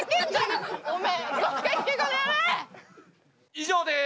以上です。